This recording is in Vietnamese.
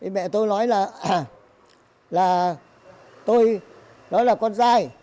mẹ tôi nói là tôi đó là con trai